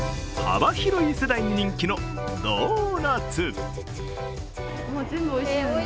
幅広い世代に人気のドーナツ。